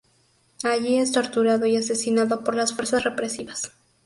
Allí es torturado y asesinado por las fuerzas represivas.